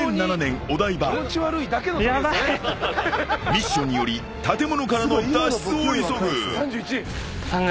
［ミッションにより建物からの脱出を急ぐ］